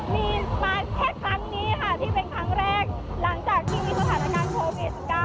มีมาแค่ครั้งนี้ค่ะที่เป็นครั้งแรกหลังจากที่มีสถานการณ์โควิด๑๙